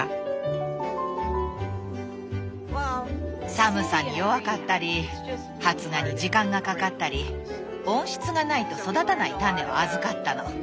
寒さに弱かったり発芽に時間がかかったり温室がないと育たない種を預かったの。